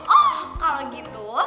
oh kalau gitu